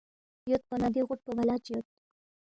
یودپو نہ دی غُوٹ پو بلا چی یود